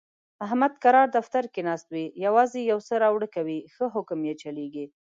احمد کرار دفتر کې ناست وي، یووازې یوسه راوړه کوي، ښه حکم یې چلېږي.